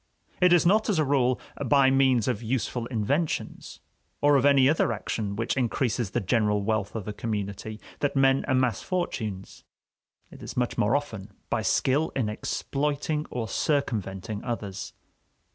It is not, as a rule, by means of useful inventions, or of any other action which increases the general wealth of the community, that men amass fortunes; it is much more often by skill in exploiting or circumventing others.